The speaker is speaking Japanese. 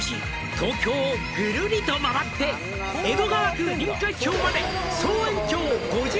「東京をぐるりと回って」「江戸川区臨海町まで」